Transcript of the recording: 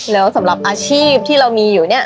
แล้วสำหรับอาชีพที่เรามีอยู่เนี่ย